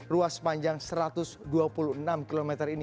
ruas sepanjang satu ratus dua puluh enam km ini